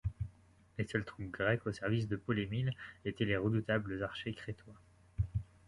Les seules troupes grecques au service de Paul-Émile étaient les redoutables archers crétois.